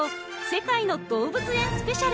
世界の動物園ＳＰ